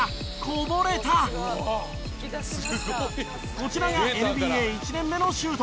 こちらがＮＢＡ１年目のシュート。